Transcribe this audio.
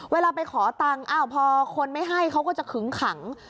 เวลาไปขอตังค์พอคนไม่ให้เขาก็จะขึงขัง